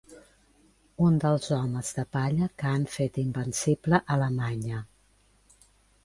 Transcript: Un dels homes de palla que han fet invencible Alemanya.